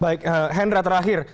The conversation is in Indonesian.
baik hendra terakhir